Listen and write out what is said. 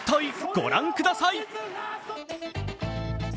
ご覧ください。